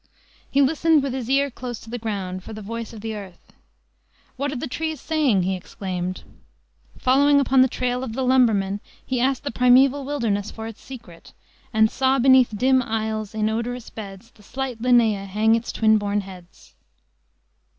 He listened, with his ear close to the ground, for the voice of the earth. "What are the trees saying?" he exclaimed. Following upon the trail of the lumberman he asked the primeval wilderness for its secret, and "saw beneath dim aisles, in odorous beds, The slight linnaea hang its twin born heads."